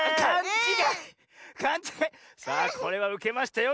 さあこれはウケましたよ。